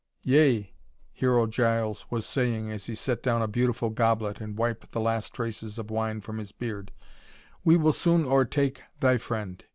"Yea," Hero Giles was saying as he set down a beautiful goblet and wiped the last traces of wine from his beard, "we will soon o'ertake thy friend.